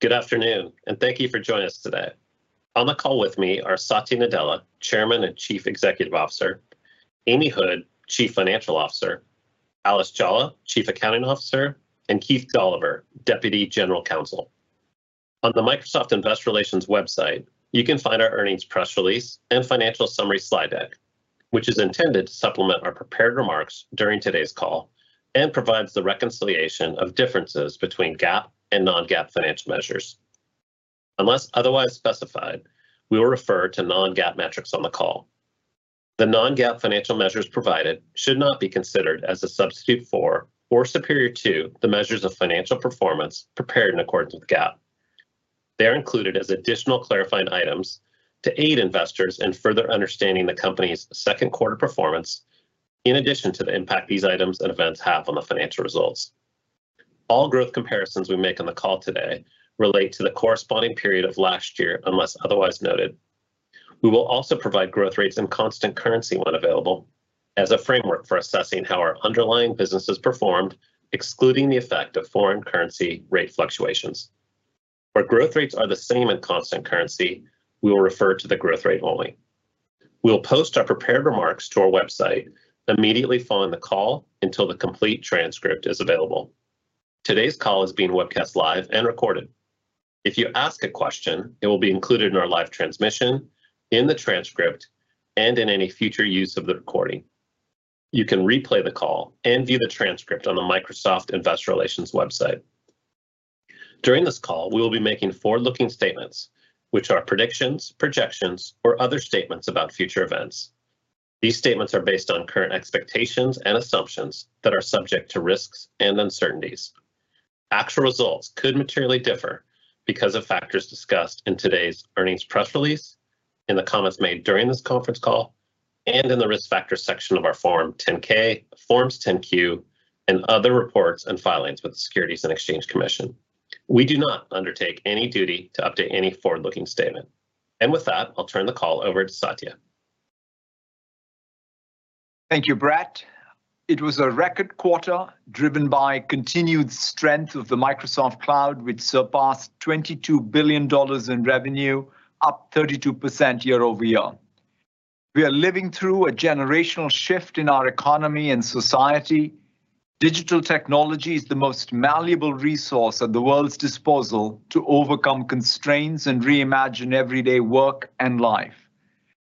Good afternoon, and thank you for joining us today. On the call with me are Satya Nadella, Chairman and Chief Executive Officer, Amy Hood, Chief Financial Officer, Alice Jolla, Chief Accounting Officer, and Keith Dolliver, Deputy General Counsel. On the Microsoft Investor Relations website, you can find our earnings press release and financial summary slide deck, which is intended to supplement our prepared remarks during today's call, and provides the reconciliation of differences between GAAP and non-GAAP financial measures. Unless otherwise specified, we will refer to non-GAAP metrics on the call. The non-GAAP financial measures provided should not be considered as a substitute for or superior to the measures of financial performance prepared in accordance with GAAP. They're included as additional clarifying items to aid investors in further understanding the company's second quarter performance in addition to the impact these items and events have on the financial results. All growth comparisons we make on the call today relate to the corresponding period of last year, unless otherwise noted. We will also provide growth rates and constant currency when available as a framework for assessing how our underlying businesses performed, excluding the effect of foreign currency rate fluctuations. Where growth rates are the same in constant currency, we will refer to the growth rate only. We'll post our prepared remarks to our website immediately following the call until the complete transcript is available. Today's call is being webcast live and recorded. If you ask a question, it will be included in our live transmission, in the transcript, and in any future use of the recording. You can replay the call and view the transcript on the Microsoft Investor Relations website. During this call, we will be making forward-looking statements, which are predictions, projections, or other statements about future events. These statements are based on current expectations and assumptions that are subject to risks and uncertainties. Actual results could materially differ because of factors discussed in today's earnings press release, in the comments made during this conference call, and in the Risk Factors section of our Form 10-K, Forms 10-Q, and other reports and filings with the Securities and Exchange Commission. We do not undertake any duty to update any forward-looking statement. With that, I'll turn the call over to Satya. Thank you, Brett. It was a record quarter driven by continued strength of the Microsoft Cloud, which surpassed $22 billion in revenue, up 32% year-over-year. We are living through a generational shift in our economy and society. Digital technology is the most malleable resource at the world's disposal to overcome constraints and reimagine everyday work and life.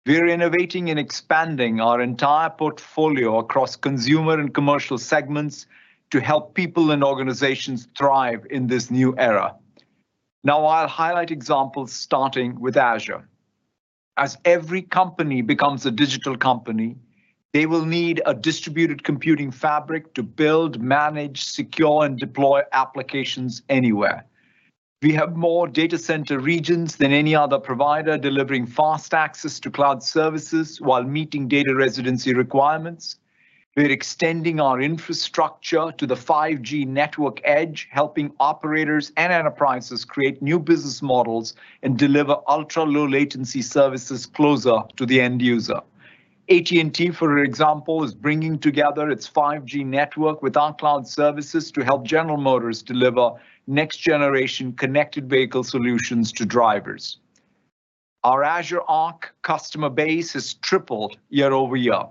We're innovating and expanding our entire portfolio across consumer and commercial segments to help people and organizations thrive in this new era. Now I'll highlight examples starting with Azure. As every company becomes a digital company, they will need a distributed computing fabric to build, manage, secure, and deploy applications anywhere. We have more data center regions than any other provider, delivering fast access to cloud services while meeting data residency requirements. We're extending our infrastructure to the 5G network edge, helping operators and enterprises create new business models and deliver ultra-low latency services closer to the end user. AT&T, for example, is bringing together its 5G network with our cloud services to help General Motors deliver next generation connected vehicle solutions to drivers. Our Azure Arc customer base has tripled year-over-year.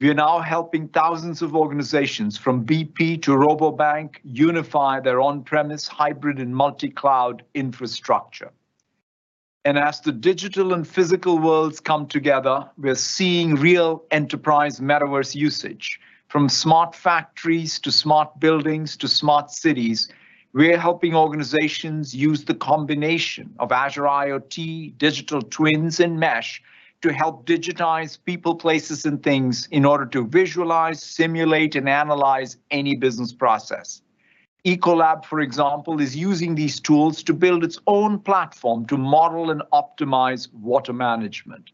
We are now helping thousands of organizations, from BP to Rabobank, unify their on-premise hybrid and multi-cloud infrastructure. As the digital and physical worlds come together, we're seeing real enterprise metaverse usage. From smart factories to smart buildings to smart cities, we are helping organizations use the combination of Azure IoT, digital twins, and Mesh to help digitize people, places, and things in order to visualize, simulate, and analyze any business process. Ecolab, for example, is using these tools to build its own platform to model and optimize water management.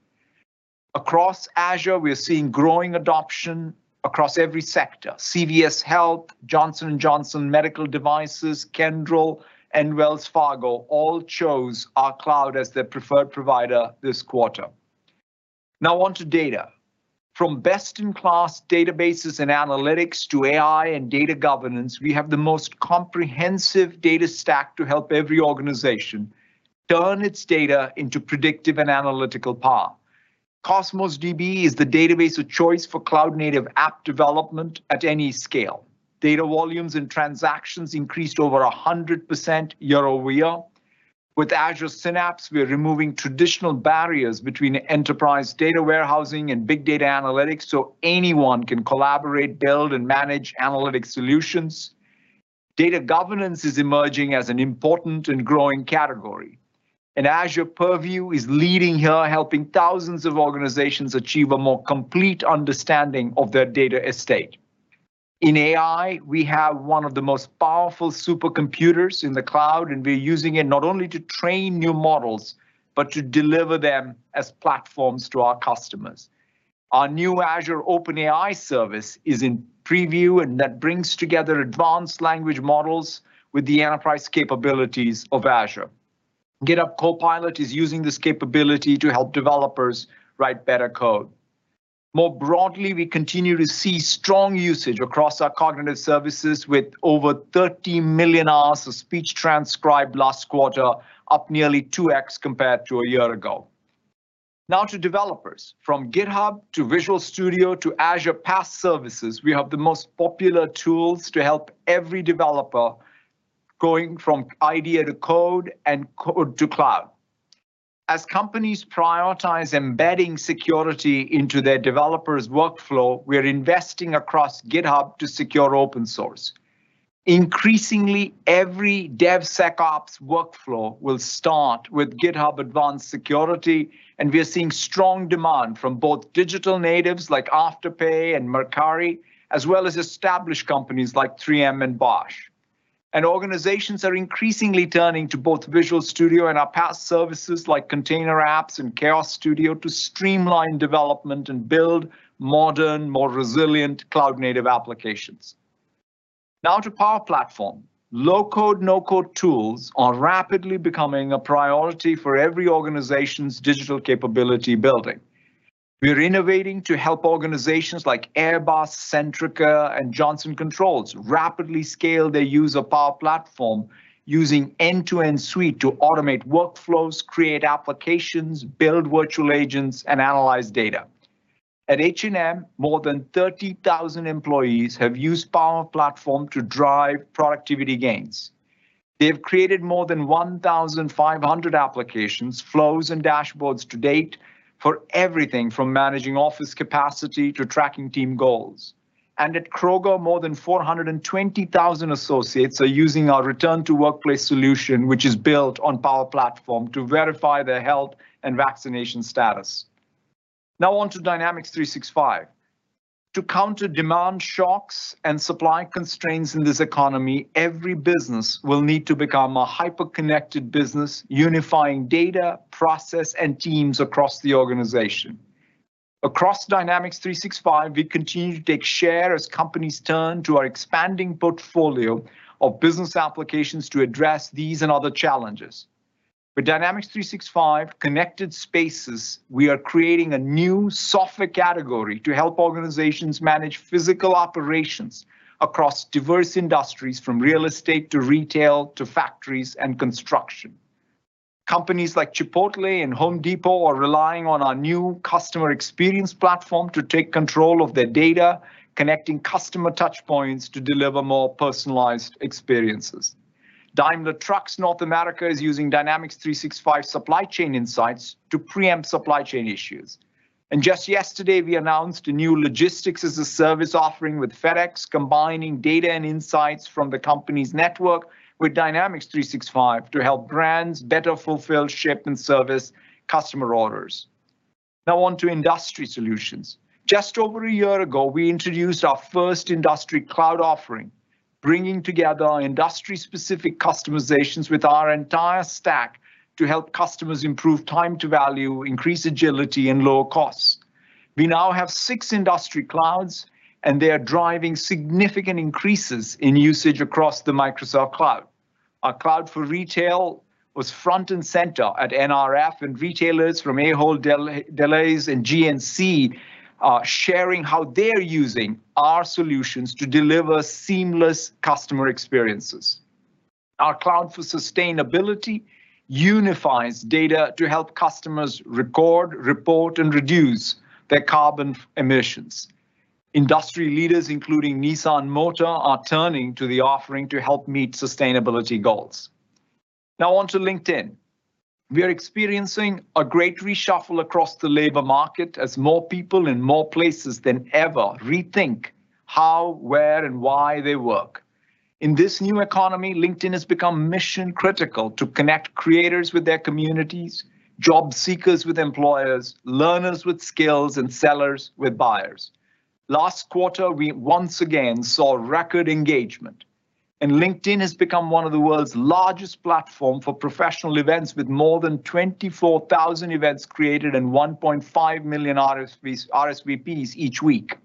Across Azure, we are seeing growing adoption across every sector. CVS Health, Johnson & Johnson MedTech, Kendall, and Wells Fargo all chose our cloud as their preferred provider this quarter. Now on to data. From best-in-class databases and analytics to AI and data governance, we have the most comprehensive data stack to help every organization turn its data into predictive and analytical power. Cosmos DB is the database of choice for cloud-native app development at any scale. Data volumes and transactions increased over 100% year-over-year. With Azure Synapse, we are removing traditional barriers between enterprise data warehousing and big data analytics so anyone can collaborate, build, and manage analytic solutions. Data governance is emerging as an important and growing category. Azure Purview is leading here, helping thousands of organizations achieve a more complete understanding of their data estate. In AI, we have one of the most powerful supercomputers in the cloud, and we're using it not only to train new models, but to deliver them as platforms to our customers. Our new Azure OpenAI Service is in preview, and that brings together advanced language models with the enterprise capabilities of Azure. GitHub Copilot is using this capability to help developers write better code. More broadly, we continue to see strong usage across our cognitive services with over 30 million hours of speech transcribed last quarter, up nearly 2x compared to a year ago. Now to developers. From GitHub to Visual Studio to Azure PaaS services, we have the most popular tools to help every developer going from idea to code and code to cloud. As companies prioritize embedding security into their developers' workflow, we're investing across GitHub to secure open source. Increasingly, every DevSecOps workflow will start with GitHub Advanced Security, and we are seeing strong demand from both digital natives like Afterpay and Mercari, as well as established companies like 3M and Bosch. Organizations are increasingly turning to both Visual Studio and our PaaS services like Container Apps and Chaos Studio to streamline development and build modern, more resilient cloud native applications. Now to Power Platform. Low-code/no-code tools are rapidly becoming a priority for every organization's digital capability building. We are innovating to help organizations like Airbus, Centrica, and Johnson Controls rapidly scale their use of Power Platform using end-to-end suite to automate workflows, create applications, build virtual agents, and analyze data. At H&M, more than 30,000 employees have used Power Platform to drive productivity gains. They have created more than 1,500 applications, flows, and dashboards to date for everything from managing office capacity to tracking team goals. At Kroger, more than 420,000 associates are using our return to workplace solution, which is built on Power Platform, to verify their health and vaccination status. Now on to Dynamics 365. To counter demand shocks and supply constraints in this economy, every business will need to become a hyper-connected business, unifying data, process, and teams across the organization. Across Dynamics 365, we continue to take share as companies turn to our expanding portfolio of business applications to address these and other challenges. With Dynamics 365 Connected Spaces, we are creating a new software category to help organizations manage physical operations across diverse industries from real estate to retail to factories and construction. Companies like Chipotle and Home Depot are relying on our new customer experience platform to take control of their data, connecting customer touchpoints to deliver more personalized experiences. Daimler Trucks North America is using Dynamics 365 Supply Chain Insights to preempt supply chain issues. Just yesterday, we announced a new logistics-as-a-service offering with FedEx, combining data and insights from the company's network with Dynamics 365 to help brands better fulfill, ship, and service customer orders. Now on to industry solutions. Just over a year ago, we introduced our first industry cloud offering, bringing together industry-specific customizations with our entire stack to help customers improve time to value, increase agility, and lower costs. We now have six industry clouds, and they are driving significant increases in usage across the Microsoft Cloud. Our cloud for retail was front and center at NRF, and retailers from Ahold Delhaize and GNC are sharing how they're using our solutions to deliver seamless customer experiences. Our cloud for sustainability unifies data to help customers record, report, and reduce their carbon emissions. Industry leaders, including Nissan Motor, are turning to the offering to help meet sustainability goals. Now on to LinkedIn. We are experiencing a great reshuffle across the labor market as more people in more places than ever rethink how, where, and why they work. In this new economy, LinkedIn has become mission critical to connect creators with their communities, job seekers with employers, learners with skills, and sellers with buyers. Last quarter, we once again saw record engagement, and LinkedIn has become one of the world's largest platform for professional events with more than 24,000 events created and 1.5 million RSVPs each week.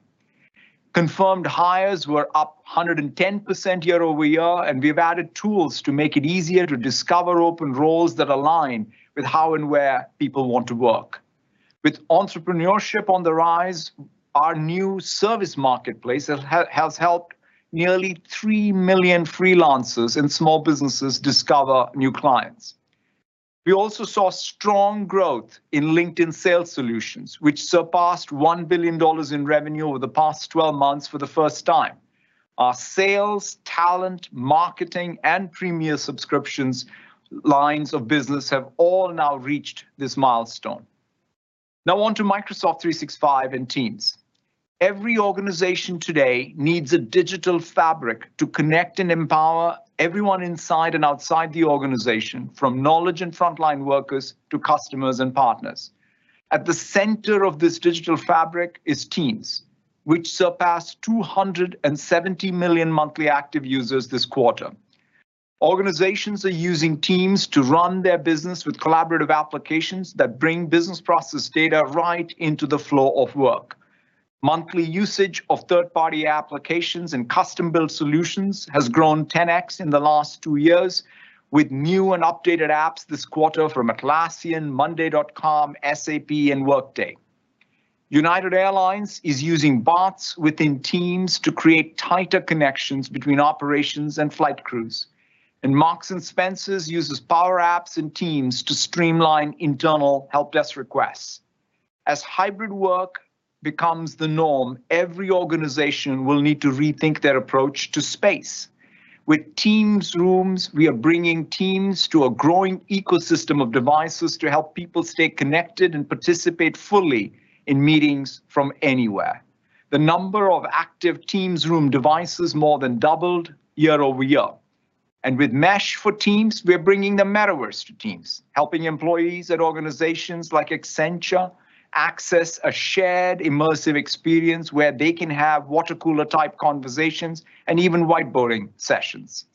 Confirmed hires were up 110% year-over-year, and we've added tools to make it easier to discover open roles that align with how and where people want to work. With entrepreneurship on the rise, our new service marketplace has helped nearly 3 million freelancers and small businesses discover new clients. We also saw strong growth in LinkedIn Sales Solutions, which surpassed $1 billion in revenue over the past 12 months for the first time. Our Sales, Talent, Marketing, and premium subscriptions lines of business have all now reached this milestone. Now on to Microsoft 365 and Teams. Every organization today needs a digital fabric to connect and empower everyone inside and outside the organization, from knowledge and frontline workers to customers and partners. At the center of this digital fabric is Teams, which surpassed 270 million monthly active users this quarter. Organizations are using Teams to run their business with collaborative applications that bring business process data right into the flow of work. Monthly usage of third-party applications and custom-built solutions has grown 10x in the last two years with new and updated apps this quarter from Atlassian, monday.com, SAP, and Workday. United Airlines is using bots within Teams to create tighter connections between operations and flight crews. Marks & Spencer uses Power Apps and Teams to streamline internal help desk requests. As hybrid work becomes the norm, every organization will need to rethink their approach to space. With Teams Rooms, we are bringing Teams to a growing ecosystem of devices to help people stay connected and participate fully in meetings from anywhere. The number of active Teams Room devices more than doubled year-over-year. With Mesh for Teams, we're bringing the metaverse to Teams, helping employees at organizations like Accenture access a shared immersive experience where they can have watercooler-type conversations and even whiteboarding sessions.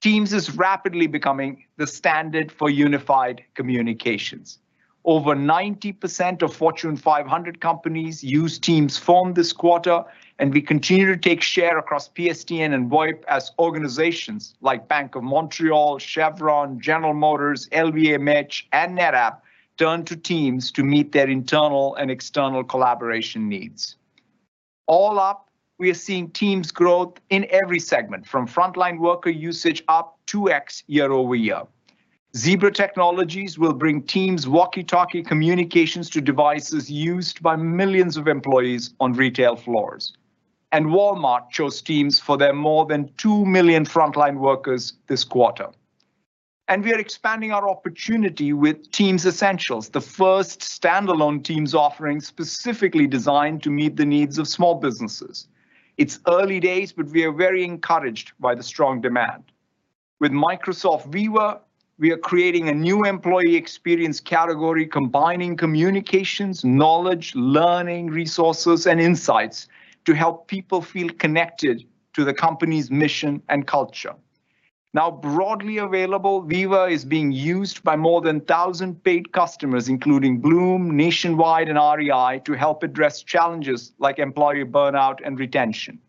Teams is rapidly becoming the standard for unified communications. Over 90% of Fortune 500 companies used Teams from this quarter, and we continue to take share across PSTN and VoIP as organizations like Bank of Montreal, Chevron, General Motors, LVMH, and NetApp turn to Teams to meet their internal and external collaboration needs. All up, we are seeing Teams growth in every segment, from frontline worker usage up 2x year-over-year. Zebra Technologies will bring Teams walkie-talkie communications to devices used by millions of employees on retail floors. Walmart chose Teams for their more than 2 million frontline workers this quarter. We are expanding our opportunity with Teams Essentials, the first standalone Teams offering specifically designed to meet the needs of small businesses. It's early days, but we are very encouraged by the strong demand. With Microsoft Viva, we are creating a new employee experience category combining communications, knowledge, learning resources, and insights to help people feel connected to the company's mission and culture. Now broadly available, Viva is being used by more than 1,000 paid customers, including Blum, Nationwide, and REI, to help address challenges like employee burnout and retention.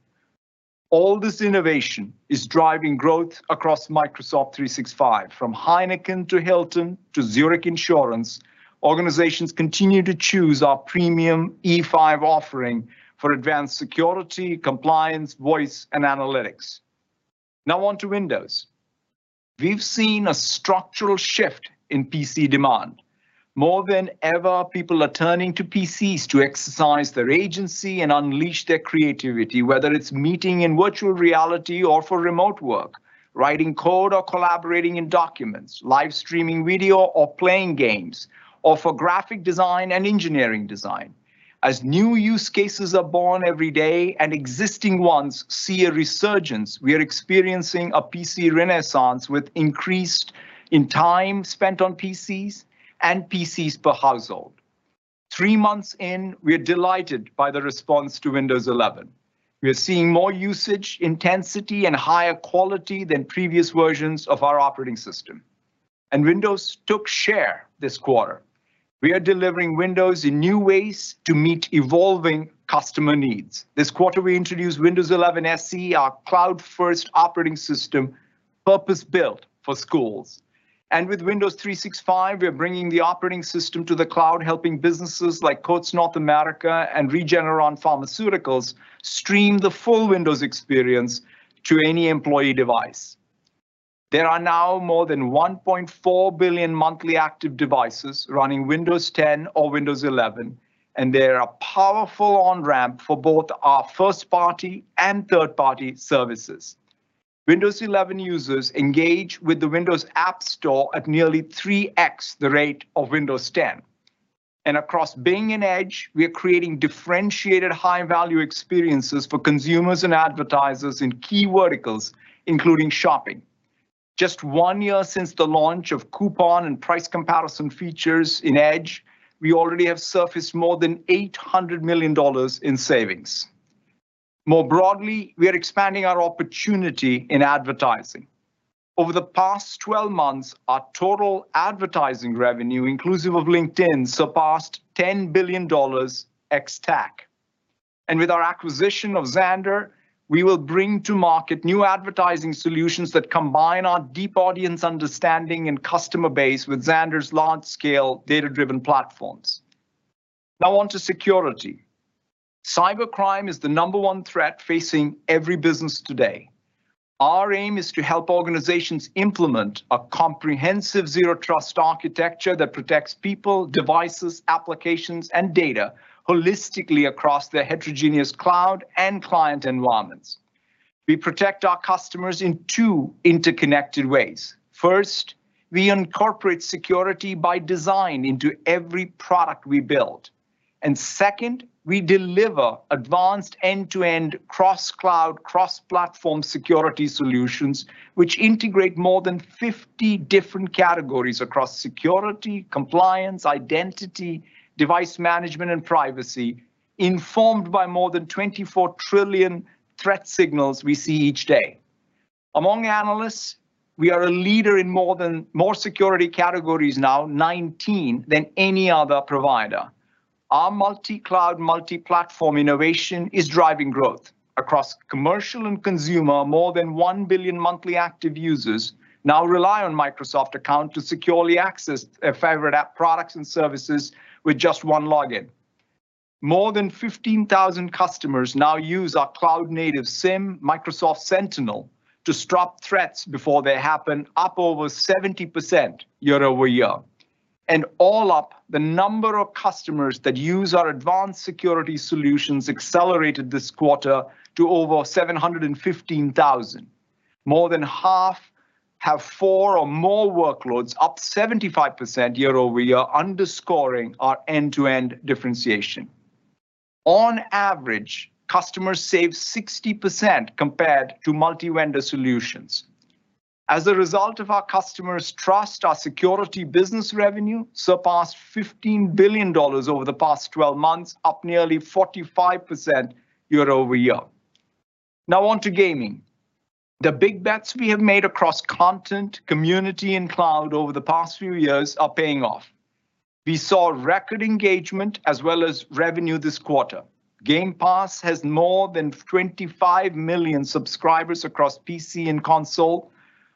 All this innovation is driving growth across Microsoft 365. From Heineken to Hilton to Zurich Insurance, organizations continue to choose our premium E5 offering for advanced security, compliance, voice, and analytics. Now on to Windows. We've seen a structural shift in PC demand. More than ever, people are turning to PCs to exercise their agency and unleash their creativity, whether it's meeting in virtual reality or for remote work, writing code or collaborating in documents, live streaming video or playing games, or for graphic design and engineering design. As new use cases are born every day and existing ones see a resurgence, we are experiencing a PC renaissance with increased in time spent on PCs and PCs per household. Three months in, we are delighted by the response to Windows 11. We are seeing more usage intensity and higher quality than previous versions of our operating system. Windows took share this quarter. We are delivering Windows in new ways to meet evolving customer needs. This quarter we introduced Windows 11 SE, our cloud-first operating system purpose-built for schools. With Windows 365, we are bringing the operating system to the cloud, helping businesses like Coats North America and Regeneron Pharmaceuticals stream the full Windows experience to any employee device. There are now more than 1.4 billion monthly active devices running Windows 10 or Windows 11, and they're a powerful on-ramp for both our first-party and third-party services. Windows 11 users engage with the Windows App Store at nearly 3x the rate of Windows 10. Across Bing and Edge, we are creating differentiated high-value experiences for consumers and advertisers in key verticals, including shopping. Just one year since the launch of coupon and price comparison features in Edge, we already have surfaced more than $800 million in savings. More broadly, we are expanding our opportunity in advertising. Over the past 12 months, our total advertising revenue, inclusive of LinkedIn, surpassed $10 billion ex-TAC. With our acquisition of Xandr, we will bring to market new advertising solutions that combine our deep audience understanding and customer base with Xandr's large-scale data-driven platforms. Now on to security. Cybercrime is the number one threat facing every business today. Our aim is to help organizations implement a comprehensive Zero Trust architecture that protects people, devices, applications, and data holistically across their heterogeneous cloud and client environments. We protect our customers in two interconnected ways. First, we incorporate security by design into every product we build. Second, we deliver advanced end-to-end cross-cloud, cross-platform security solutions which integrate more than 50 different categories across security, compliance, identity, device management, and privacy, informed by more than 24 trillion threat signals we see each day. Among analysts, we are a leader in more security categories now, 19, than any other provider. Our multi-cloud, multi-platform innovation is driving growth. Across commercial and consumer, more than 1 billion monthly active users now rely on Microsoft Account to securely access their favorite app products and services with just one login. More than 15,000 customers now use our cloud-native SIEM, Microsoft Sentinel, to stop threats before they happen, up over 70% year-over-year. All up, the number of customers that use our advanced security solutions accelerated this quarter to over 715,000. More than half have four or more workloads, up 75% year-over-year, underscoring our end-to-end differentiation. On average, customers save 60% compared to multi-vendor solutions. As a result of our customers' trust, our security business revenue surpassed $15 billion over the past 12 months, up nearly 45% year-over-year. Now on to gaming. The big bets we have made across content, community, and cloud over the past few years are paying off. We saw record engagement as well as revenue this quarter. Game Pass has more than 25 million subscribers across PC and console.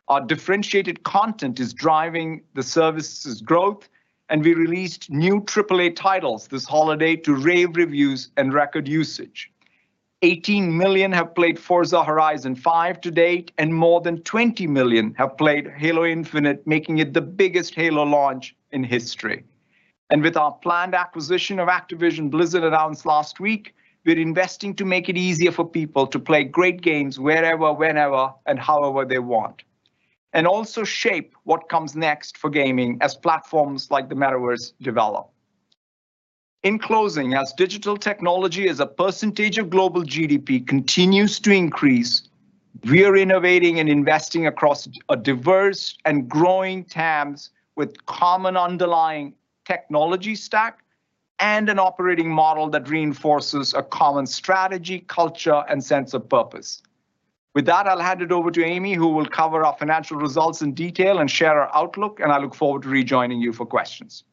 Our differentiated content is driving the services' growth, and we released new triple A titles this holiday to rave reviews and record usage. 18 million have played Forza Horizon 5 to date, and more than 20 million have played Halo Infinite, making it the biggest Halo launch in history. With our planned acquisition of Activision Blizzard announced last week, we're investing to make it easier for people to play great games wherever, whenever, and however they want, and also shape what comes next for gaming as platforms like the metaverse develop. In closing, as digital technology as a percentage of global GDP continues to increase, we are innovating and investing across a diverse and growing TAMs with common underlying technology stack and an operating model that reinforces a common strategy, culture, and sense of purpose. With that, I'll hand it over to Amy, who will cover our financial results in detail and share our outlook, and I look forward to rejoining you for questions.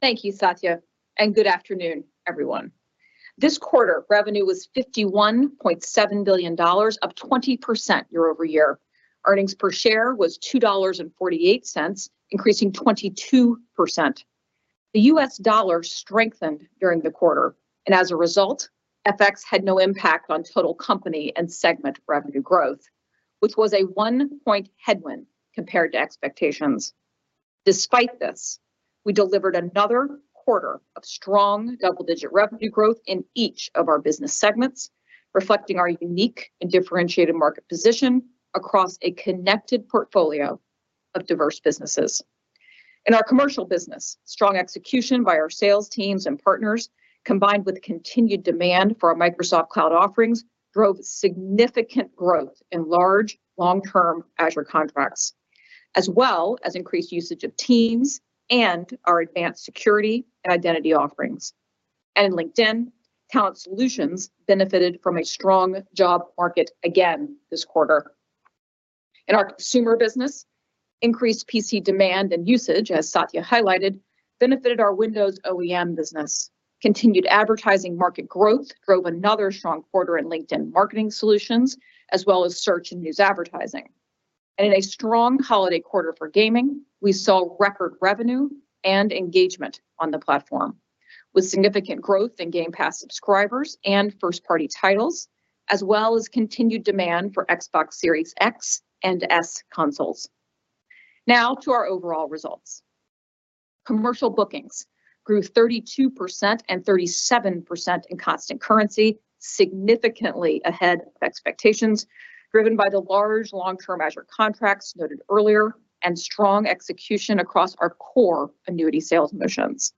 Thank you, Satya, and good afternoon, everyone. This quarter, revenue was $51.7 billion, up 20% year-over-year. Earnings per share was $2.48, increasing 22%. The U.S. dollar strengthened during the quarter, and as a result, FX had no impact on total company and segment revenue growth, which was a 1-point headwind compared to expectations. Despite this, we delivered another quarter of strong double-digit revenue growth in each of our business segments, reflecting our unique and differentiated market position across a connected portfolio of diverse businesses. In our commercial business, strong execution by our sales teams and partners, combined with continued demand for our Microsoft Cloud offerings, drove significant growth in large, long-term Azure contracts, as well as increased usage of Teams and our advanced security and identity offerings. LinkedIn Talent Solutions benefited from a strong job market again this quarter. In our consumer business, increased PC demand and usage, as Satya highlighted, benefited our Windows OEM business. Continued advertising market growth drove another strong quarter in LinkedIn Marketing Solutions, as well as search and news advertising. In a strong holiday quarter for gaming, we saw record revenue and engagement on the platform, with significant growth in Game Pass subscribers and first-party titles, as well as continued demand for Xbox Series X and Series S consoles. Now to our overall results. Commercial bookings grew 32% and 37% in constant currency, significantly ahead of expectations, driven by the large long-term Azure contracts noted earlier and strong execution across our core annuity sales motions.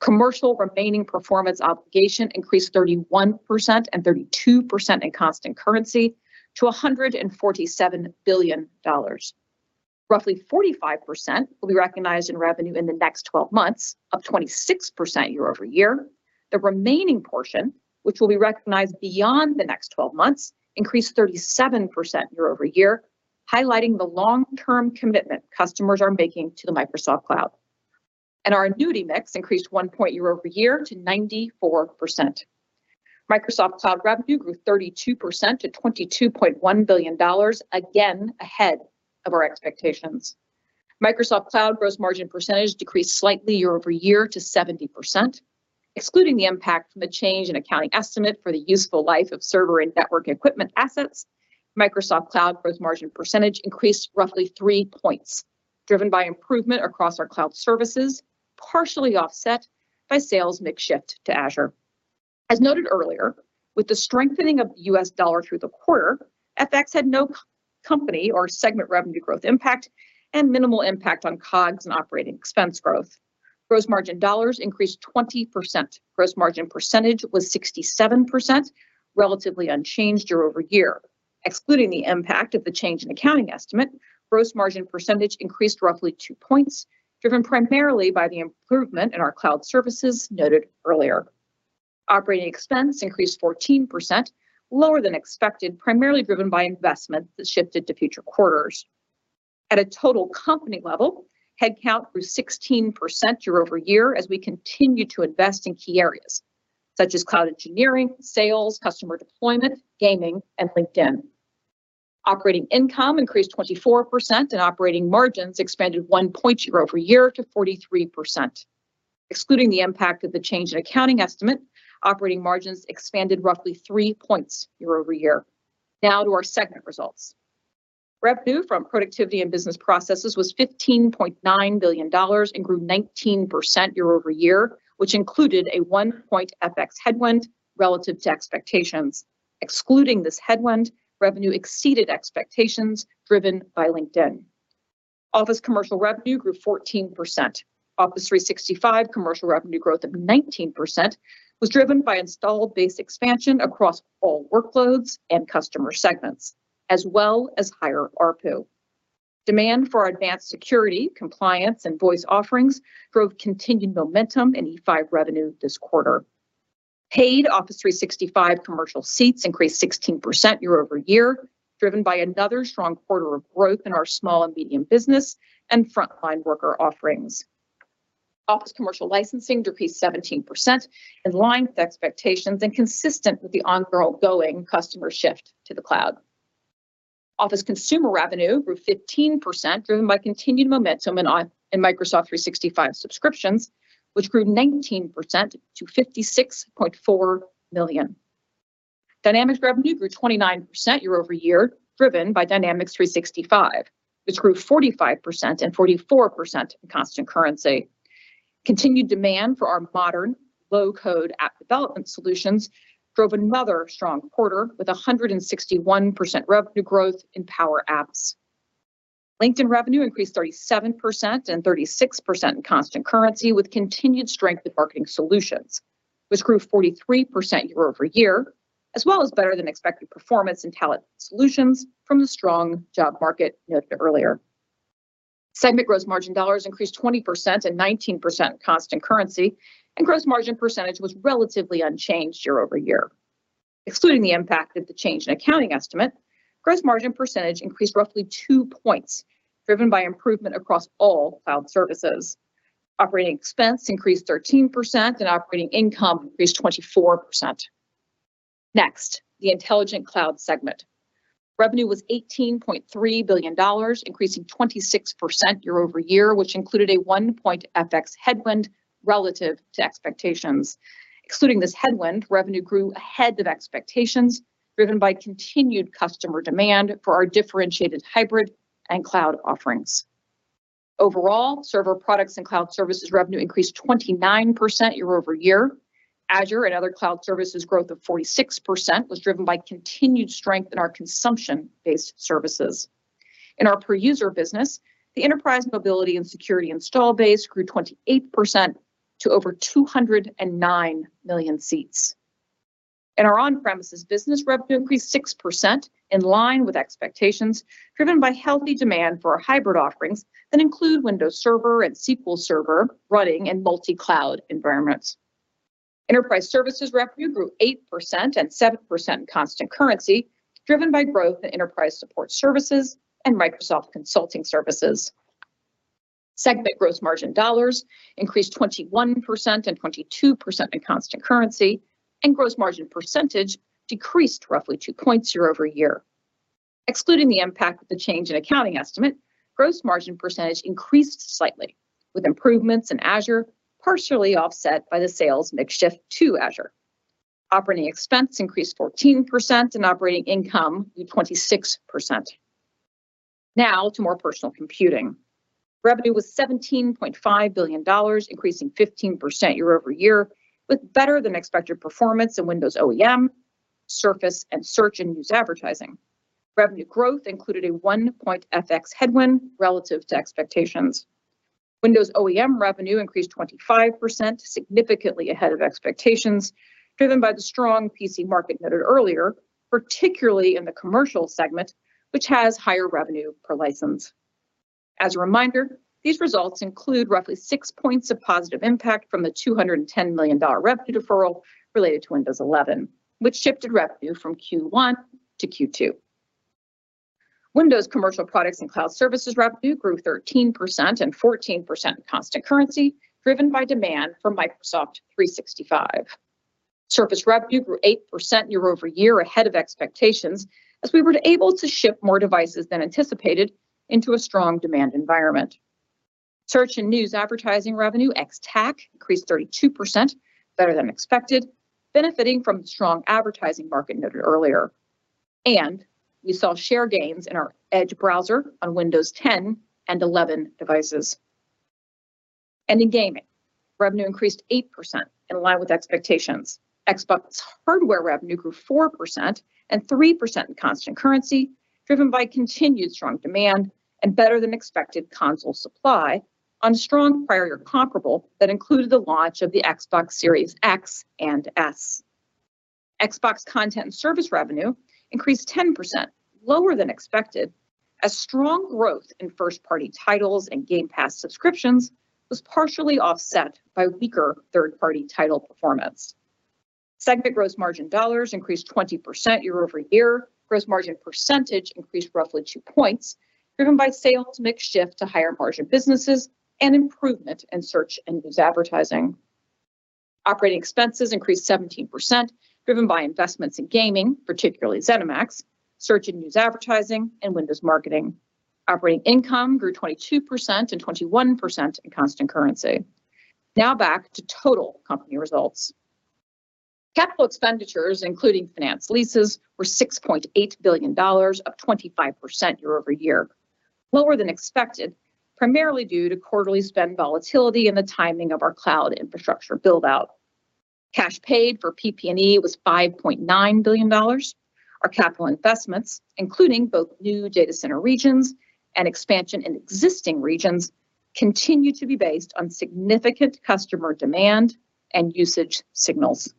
Commercial remaining performance obligation increased 31% and 32% in constant currency to $147 billion. Roughly 45% will be recognized in revenue in the next twelve months, up 26% year-over-year. The remaining portion, which will be recognized beyond the next twelve months, increased 37% year-over-year, highlighting the long-term commitment customers are making to the Microsoft Cloud. Our annuity mix increased 1 point year-over-year to 94%. Microsoft Cloud revenue grew 32% to $22.1 billion, again ahead of our expectations. Microsoft Cloud gross margin percentage decreased slightly year-over-year to 70%. Excluding the impact from the change in accounting estimate for the useful life of server and network equipment assets, Microsoft Cloud gross margin percentage increased roughly 3 points, driven by improvement across our cloud services, partially offset by sales mix shift to Azure. As noted earlier, with the strengthening of the U.S. dollar through the quarter, FX had no constant-currency or segment revenue growth impact and minimal impact on COGS and operating expense growth. Gross margin dollars increased 20%. Gross margin percentage was 67%, relatively unchanged year-over-year. Excluding the impact of the change in accounting estimate, gross margin percentage increased roughly 2 points, driven primarily by the improvement in our cloud services noted earlier. Operating expense increased 14%, lower than expected, primarily driven by investment that shifted to future quarters. At a total company level, headcount grew 16% year-over-year as we continue to invest in key areas, such as cloud engineering, sales, customer deployment, gaming, and LinkedIn. Operating income increased 24%, and operating margins expanded 1 point year-over-year to 43%. Excluding the impact of the change in accounting estimate, operating margins expanded roughly 3 points year-over-year. Now to our segment results. Revenue from Productivity and Business Processes was $15.9 billion and grew 19% year-over-year, which included a 1-point FX headwind relative to expectations. Excluding this headwind, revenue exceeded expectations driven by LinkedIn. Office Commercial revenue grew 14%. Office 365 Commercial revenue growth of 19% was driven by installed base expansion across all workloads and customer segments, as well as higher ARPU. Demand for advanced security, compliance, and voice offerings drove continued momentum in E5 revenue this quarter. Paid Office 365 commercial seats increased 16% year-over-year, driven by another strong quarter of growth in our small and medium business and frontline worker offerings. Office Commercial licensing decreased 17%, in line with expectations and consistent with the ongoing customer shift to the cloud. Office Consumer revenue grew 15% driven by continued momentum in Microsoft 365 subscriptions, which grew 19% to 56.4 million. Dynamics revenue grew 29% year-over-year, driven by Dynamics 365, which grew 45% and 44% in constant currency. Continued demand for our modern low-code app development solutions drove another strong quarter with 161% revenue growth in Power Apps. LinkedIn revenue increased 37% and 36% in constant currency with continued strength in Marketing Solutions, which grew 43% year-over-year, as well as better than expected performance in Talent Solutions from the strong job market noted earlier. Segment gross margin dollars increased 20% and 19% constant currency, and gross margin percentage was relatively unchanged year-over-year. Excluding the impact of the change in accounting estimate, gross margin percentage increased roughly 2 points, driven by improvement across all cloud services. Operating expense increased 13%, and operating income increased 24%. Next, the Intelligent Cloud segment. Revenue was $18.3 billion, increasing 26% year-over-year, which included a 1 point FX headwind relative to expectations. Excluding this headwind, revenue grew ahead of expectations, driven by continued customer demand for our differentiated hybrid and cloud offerings. Overall, server products and cloud services revenue increased 29% year-over-year. Azure and other cloud services growth of 46% was driven by continued strength in our consumption-based services. In our per-user business, the Enterprise Mobility and Security install base grew 28% to over 209 million seats. In our on-premises business, revenue increased 6% in line with expectations, driven by healthy demand for our hybrid offerings that include Windows Server and SQL Server running in multi-cloud environments. Enterprise services revenue grew 8% and 7% in constant currency, driven by growth in enterprise support services and Microsoft Consulting Services. Segment gross margin dollars increased 21% and 22% in constant currency, and gross margin percentage decreased roughly 2 points year-over-year. Excluding the impact of the change in accounting estimate, gross margin percentage increased slightly, with improvements in Azure partially offset by the sales mix shift to Azure. Operating expense increased 14% and operating income grew 26%. Now to More Personal Computing. Revenue was $17.5 billion, increasing 15% year-over-year, with better-than-expected performance in Windows OEM, Surface, and search and news advertising. Revenue growth included a 1-point FX headwind relative to expectations. Windows OEM revenue increased 25%, significantly ahead of expectations, driven by the strong PC market noted earlier, particularly in the commercial segment, which has higher revenue per license. As a reminder, these results include roughly 6 points of positive impact from the $210 million revenue deferral related to Windows 11, which shifted revenue from Q1 to Q2. Windows Commercial products and cloud services revenue grew 13% and 14% in constant currency, driven by demand for Microsoft 365. Surface revenue grew 8% year-over-year ahead of expectations, as we were able to ship more devices than anticipated into a strong demand environment. Search and news advertising revenue ex-TAC increased 32% better than expected, benefiting from the strong advertising market noted earlier. We saw share gains in our Edge browser on Windows 10 and 11 devices. In gaming, revenue increased 8% in line with expectations. Xbox hardware revenue grew 4% and 3% in constant currency, driven by continued strong demand and better-than-expected console supply on strong prior-year comparable that included the launch of the Xbox Series X and Series S. Xbox content and service revenue increased 10%, lower than expected, as strong growth in first-party titles and Game Pass subscriptions was partially offset by weaker third-party title performance. Segment gross margin dollars increased 20% year over year. Gross margin percentage increased roughly 2 points, driven by sales mix shift to higher-margin businesses and improvement in search and news advertising. Operating expenses increased 17%, driven by investments in gaming, particularly ZeniMax, search and news advertising, and Windows marketing. Operating income grew 22% and 21% in constant currency. Now back to total company results. Capital expenditures, including finance leases, were $6.8 billion, up 25% year over year. Lower than expected, primarily due to quarterly spend volatility and the timing of our cloud infrastructure build-out. Cash paid for PP&E was $5.9 billion. Our capital investments, including both new data center regions and expansion in existing regions, continue to be based on significant customer demand and usage signals.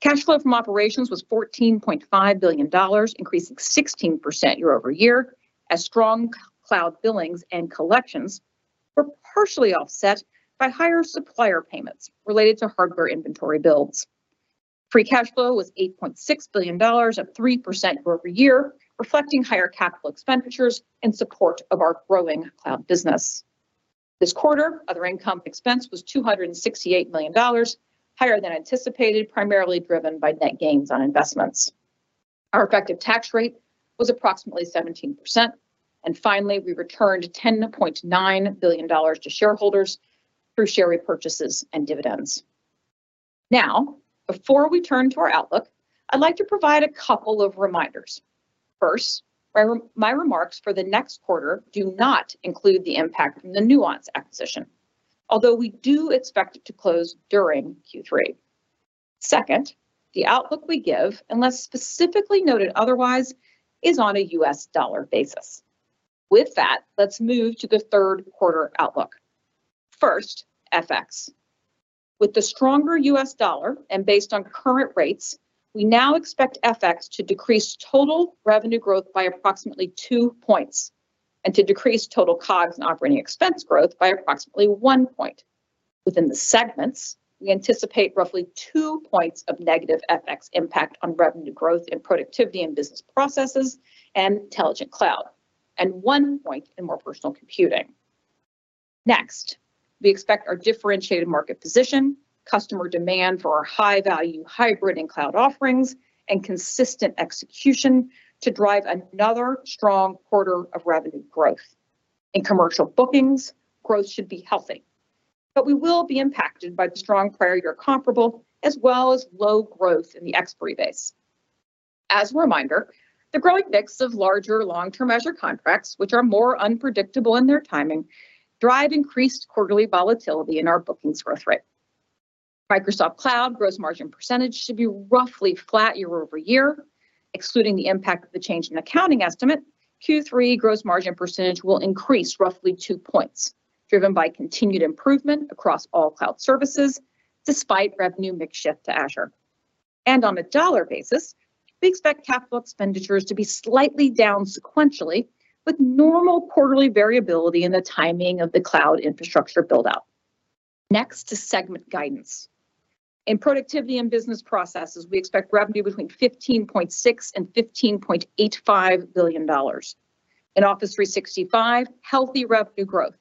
Cash flow from operations was $14.5 billion, increasing 16% year-over-year, as strong cloud billings and collections were partially offset by higher supplier payments related to hardware inventory builds. Free cash flow was $8.6 billion, up 3% year-over-year, reflecting higher capital expenditures in support of our growing cloud business. This quarter, other income expense was $268 million, higher than anticipated, primarily driven by net gains on investments. Our effective tax rate was approximately 17%. Finally, we returned $10.9 billion to shareholders through share repurchases and dividends. Now, before we turn to our outlook, I'd like to provide a couple of reminders. First, my remarks for the next quarter do not include the impact from the Nuance acquisition, although we do expect it to close during Q3. Second, the outlook we give, unless specifically noted otherwise, is on a US dollar basis. With that, let's move to the third quarter outlook. First, FX. With the stronger US dollar and based on current rates, we now expect FX to decrease total revenue growth by approximately 2 points and to decrease total COGS and operating expense growth by approximately 1 point. Within the segments, we anticipate roughly 2 points of negative FX impact on revenue growth in Productivity and Business Processes and Intelligent Cloud, and 1 point in More Personal Computing. Next, we expect our differentiated market position, customer demand for our high-value hybrid and cloud offerings, and consistent execution to drive another strong quarter of revenue growth. In commercial bookings, growth should be healthy, but we will be impacted by the strong prior year comparable, as well as low growth in the expiry base. As a reminder, the growing mix of larger long-term multi-year contracts, which are more unpredictable in their timing, drive increased quarterly volatility in our bookings growth rate. Microsoft Cloud gross margin percentage should be roughly flat year-over-year. Excluding the impact of the change in accounting estimate, Q3 gross margin percentage will increase roughly two points, driven by continued improvement across all cloud services, despite revenue mix shift to Azure. On a dollar basis, we expect capital expenditures to be slightly down sequentially, with normal quarterly variability in the timing of the cloud infrastructure build-out. Next to segment guidance. In Productivity and Business Processes, we expect revenue between $15.6 billion and $15.85 billion. In Office 365, healthy revenue growth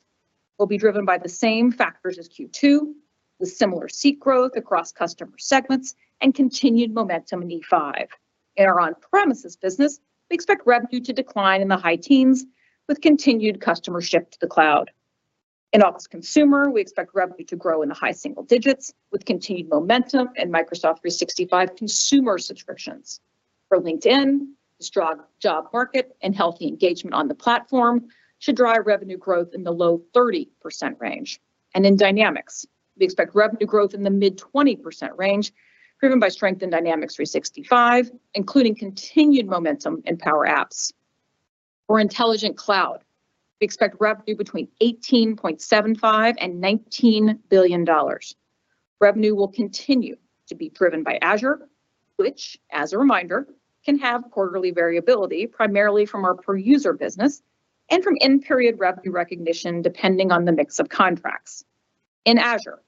will be driven by the same factors as Q2, with similar seat growth across customer segments and continued momentum in E5. In our on-premises business, we expect revenue to decline in the high teens, with continued customer shift to the cloud. In Office Consumer, we expect revenue to grow in the high single digits, with continued momentum in Microsoft 365 consumer subscriptions. For LinkedIn, the strong job market and healthy engagement on the platform should drive revenue growth in the low 30% range. In Dynamics, we expect revenue growth in the mid-20% range, driven by strength in Dynamics 365, including continued momentum in Power Apps. For Intelligent Cloud, we expect revenue between $18.75 billion and $19 billion. Revenue will continue to be driven by Azure, which, as a reminder, can have quarterly variability, primarily from our per-user business and from end-period revenue recognition, depending on the mix of contracts. In Azure,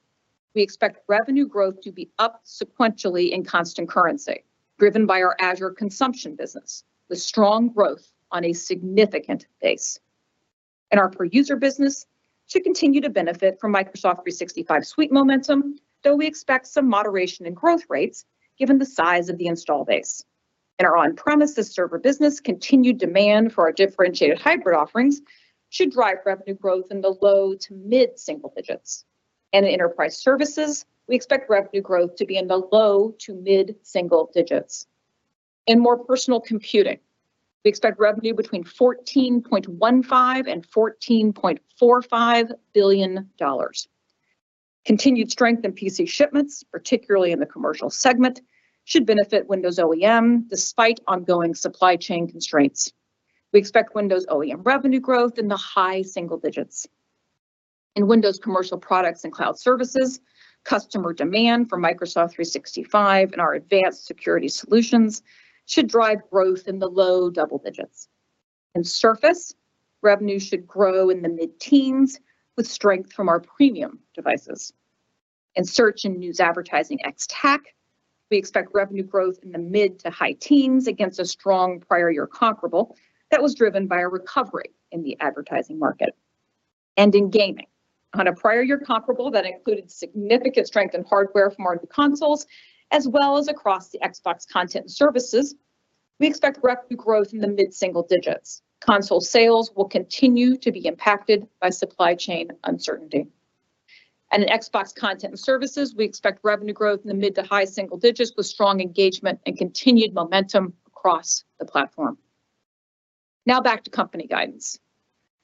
we expect revenue growth to be up sequentially in constant currency, driven by our Azure consumption business, with strong growth on a significant base. In our per-user business, the growth should continue to benefit from Microsoft 365 suite momentum, though we expect some moderation in growth rates given the size of the installed base. In our on-premises server business, continued demand for our differentiated hybrid offerings should drive revenue growth in the low- to mid-single-digit %. In Enterprise Services, we expect revenue growth to be in the low- to mid-single digits. In More Personal Computing, we expect revenue between $14.15 billion and $14.45 billion. Continued strength in PC shipments, particularly in the commercial segment, should benefit Windows OEM, despite ongoing supply chain constraints. We expect Windows OEM revenue growth in the high single digits. In Windows commercial products and cloud services, customer demand for Microsoft 365 and our advanced security solutions should drive growth in the low double digits. In Surface, revenue should grow in the mid-teens with strength from our premium devices. In Search and News advertising ex-TAC, we expect revenue growth in the mid to high teens against a strong prior year comparable that was driven by a recovery in the advertising market. In gaming, on a prior year comparable that included significant strength in hardware from our new consoles, as well as across the Xbox content and services, we expect revenue growth in the mid-single digits. Console sales will continue to be impacted by supply chain uncertainty. In Xbox content and services, we expect revenue growth in the mid to high single digits with strong engagement and continued momentum across the platform. Now back to company guidance.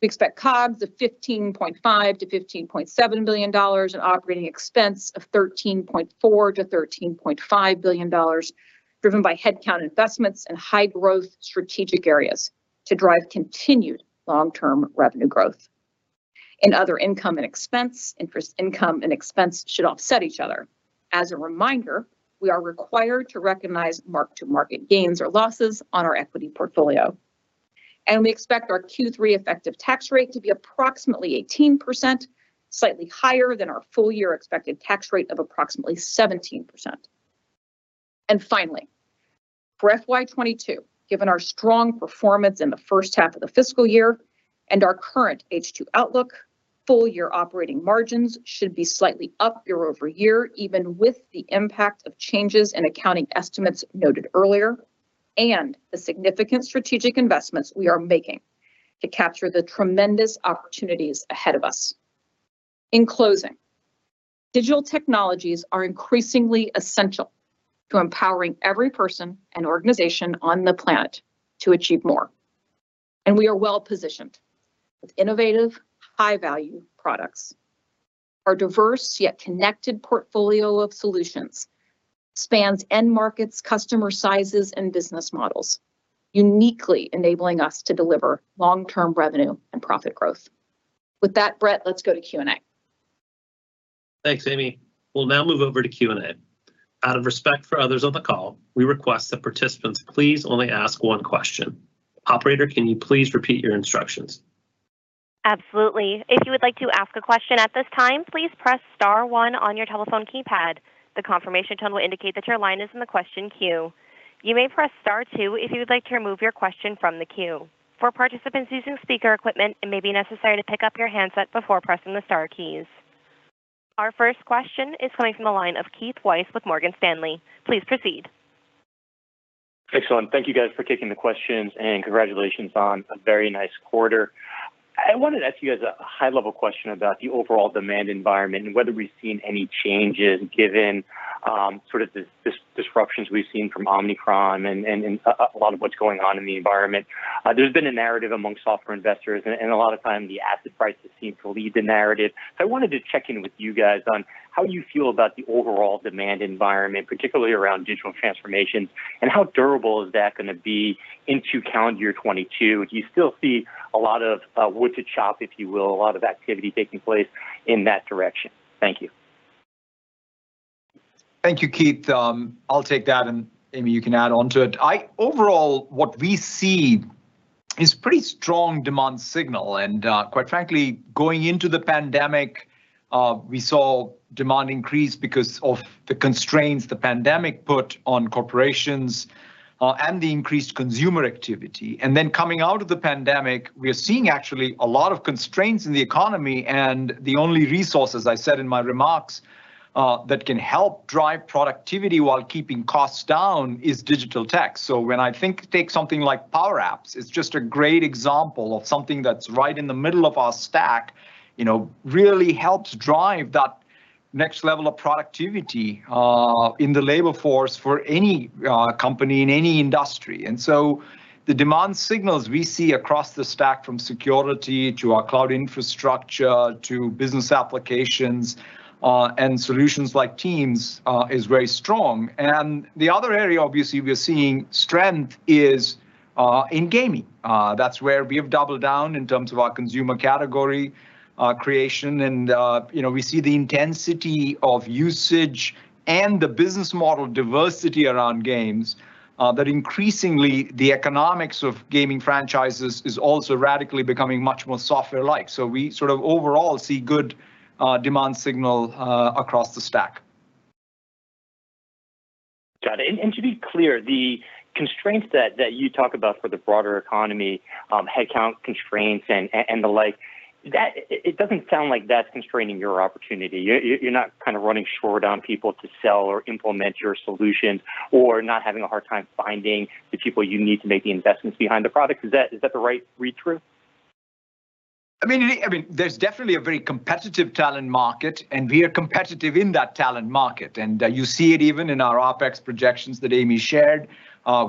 We expect COGS of $15.5 billion-$15.7 billion and operating expense of $13.4 billion-$13.5 billion, driven by headcount investments in high growth strategic areas to drive continued long-term revenue growth. In other income and expense, interest income and expense should offset each other. As a reminder, we are required to recognize mark-to-market gains or losses on our equity portfolio. We expect our Q3 effective tax rate to be approximately 18%, slightly higher than our full year expected tax rate of approximately 17%. Finally, for FY 2022, given our strong performance in the first half of the fiscal year and our current H2 outlook, full year operating margins should be slightly up year-over-year, even with the impact of changes in accounting estimates noted earlier and the significant strategic investments we are making to capture the tremendous opportunities ahead of us. In closing, digital technologies are increasingly essential to empowering every person and organization on the planet to achieve more. We are well-positioned with innovative, high-value products. Our diverse yet connected portfolio of solutions spans end markets, customer sizes, and business models, uniquely enabling us to deliver long-term revenue and profit growth. With that, Brett, let's go to Q&A. Thanks, Amy. We'll now move over to Q&A. Out of respect for others on the call, we request that participants please only ask one question. Operator, can you please repeat your instructions? Absolutely. If you would like to ask a question at this time, please press star one on your telephone keypad. The confirmation tone will indicate that your line is in the question queue. You may press star two if you would like to remove your question from the queue. For participants using speaker equipment, it may be necessary to pick up your handset before pressing the star keys. Our first question is coming from the line of Keith Weiss with Morgan Stanley. Please proceed. Excellent. Thank you guys for taking the questions and congratulations on a very nice quarter. I wanted to ask you guys a high-level question about the overall demand environment and whether we've seen any changes given sort of the disruptions we've seen from Omicron and a lot of what's going on in the environment. There's been a narrative among software investors, and a lot of times the asset prices seem to lead the narrative. I wanted to check in with you guys on how you feel about the overall demand environment, particularly around digital transformation, and how durable is that gonna be into calendar year 2022? Do you still see a lot of wood to chop, if you will, a lot of activity taking place in that direction? Thank you. Thank you, Keith. I'll take that, and Amy, you can add onto it. Overall, what we see is pretty strong demand signal. Quite frankly, going into the pandemic, we saw demand increase because of the constraints the pandemic put on corporations, and the increased consumer activity. Coming out of the pandemic, we are seeing actually a lot of constraints in the economy, and the only resources, I said in my remarks, that can help drive productivity while keeping costs down is digital tech. When I think, take something like Power Apps, it's just a great example of something that's right in the middle of our stack, you know, really helps drive that next level of productivity in the labor force for any company in any industry. The demand signals we see across the stack, from security to our cloud infrastructure to business applications, and solutions like Teams, is very strong. The other area, obviously, we are seeing strength is in gaming. That's where we have doubled down in terms of our consumer category creation. You know, we see the intensity of usage and the business model diversity around games that increasingly the economics of gaming franchises is also radically becoming much more software-like. We sort of overall see good demand signal across the stack. Got it. To be clear, the constraints that you talk about for the broader economy, headcount constraints and the like, that it doesn't sound like that's constraining your opportunity. You're not kind of running short on people to sell or implement your solutions or not having a hard time finding the people you need to make the investments behind the product. Is that the right read-through? I mean, there's definitely a very competitive talent market, and we are competitive in that talent market. You see it even in our OPEX projections that Amy shared.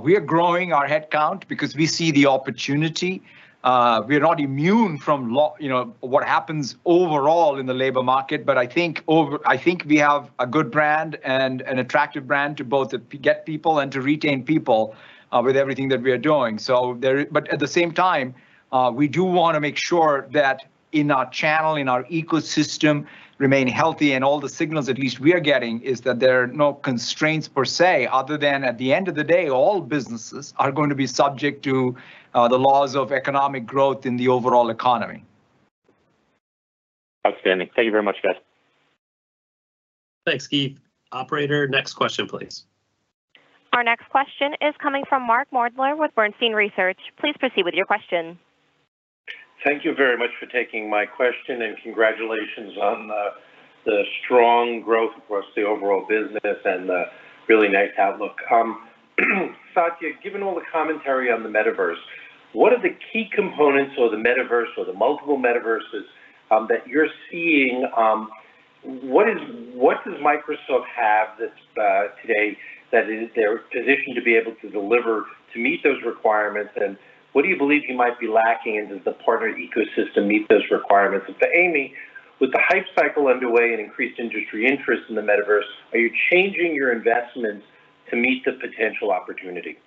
We are growing our headcount because we see the opportunity. We are not immune from you know, what happens overall in the labor market. I think we have a good brand and an attractive brand to both to get people and to retain people, with everything that we are doing. At the same time we do wanna make sure that in our channel, in our ecosystem remain healthy, and all the signals at least we are getting is that there are no constraints per se, other than at the end of the day, all businesses are going to be subject to the laws of economic growth in the overall economy. Outstanding. Thank you very much, guys. Thanks, Keith. Operator, next question please. Our next question is coming from Mark Moerdler with Bernstein Research. Please proceed with your question. Thank you very much for taking my question, and congratulations on the strong growth across the overall business and the really nice outlook. Satya, given all the commentary on the metaverse, what are the key components of the metaverse or the multiple metaverses that you're seeing? What does Microsoft have that today that they're positioned to be able to deliver to meet those requirements? And what do you believe you might be lacking and does the partner ecosystem meet those requirements? And to Amy, with the hype cycle underway and increased industry interest in the metaverse, are you changing your investments to meet the potential opportunity?